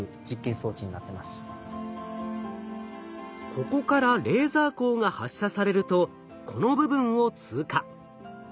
ここからレーザー光が発射されるとこの部分を通過。